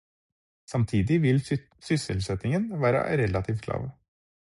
Samtidig vil sysselsettingen være relativt lav.